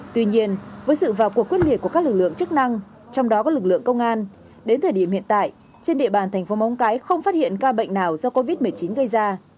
tuy nhiên với sự vào cuộc quyết liệt của các lực lượng chức năng trong đó có lực lượng công an đến thời điểm hiện tại trên địa bàn thành phố móng cái không phát hiện ca bệnh nào do covid một mươi chín gây ra